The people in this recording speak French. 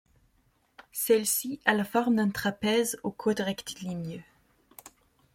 Celle-ci à la forme d'un trapèze aux côtes rectilignes.